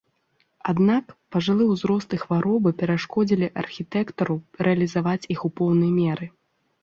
Аднак, пажылы ўзрост і хваробы перашкодзілі архітэктару рэалізаваць іх у поўнай меры.